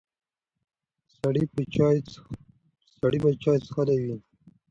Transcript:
سړی به چای څښلی وي.